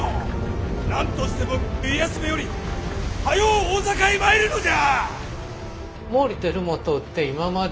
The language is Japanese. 何としても家康めよりはよう大坂へ参るのじゃ！